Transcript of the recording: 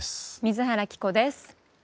水原希子です。